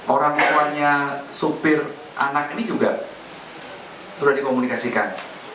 orang tuanya supir anak ini juga sudah dikomunikasikan